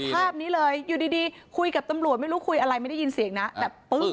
ภาพนี้เลยอยู่ดีคุยกับตำรวจไม่รู้คุยอะไรไม่ได้ยินเสียงนะแบบปึ้ง